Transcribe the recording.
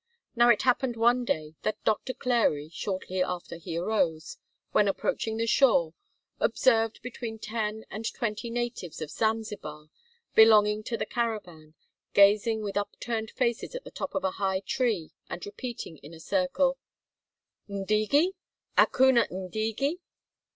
Now it happened one day that Doctor Clary, shortly after he arose, when approaching the shore, observed between ten and twenty natives of Zanzibar, belonging to the caravan, gazing with upturned faces at the top of a high tree and repeating in a circle: "Ndege? Akuna ndege?